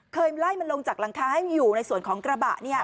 เคยไล่มันลงจากหลังคาให้อยู่ในส่วนของกระบะเนี่ย